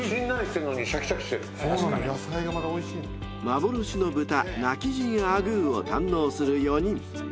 ［幻の豚今帰仁アグーを堪能する４人］